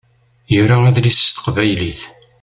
Yura adlis s teqbaylit.